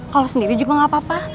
kalau sendiri juga gak apa apa